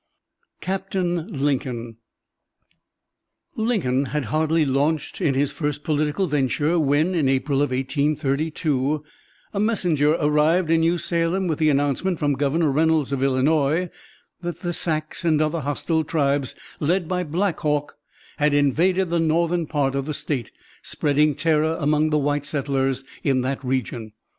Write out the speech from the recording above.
"CAPTAIN LINCOLN" Lincoln had hardly launched in his first political venture when, in April, 1832, a messenger arrived in New Salem with the announcement from Governor Reynolds, of Illinois, that the Sacs and other hostile tribes, led by Black Hawk, had invaded the northern part of the State, spreading terror among the white settlers in that region.